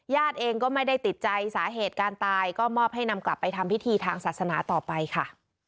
เองก็ไม่ได้ติดใจสาเหตุการตายก็มอบให้นำกลับไปทำพิธีทางศาสนาต่อไปค่ะ